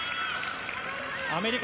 アメリカ